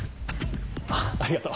あぁありがとう。